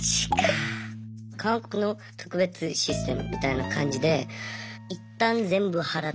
韓国の特別システムみたいな感じでいったん全部払って。